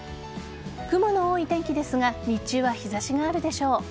雲の多い天気ですが日中は日差しがあるでしょう。